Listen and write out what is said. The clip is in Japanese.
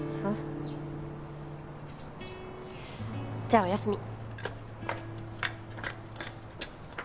じゃあおやすみ。